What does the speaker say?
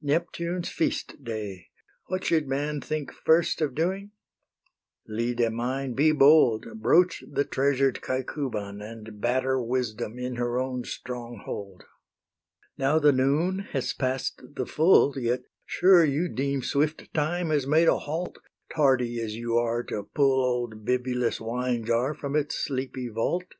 Neptune's feast day! what should man Think first of doing? Lyde mine, be bold, Broach the treasured Caecuban, And batter Wisdom in her own stronghold. Now the noon has pass'd the full, Yet sure you deem swift Time has made a halt, Tardy as you are to pull Old Bibulus' wine jar from its sleepy vault.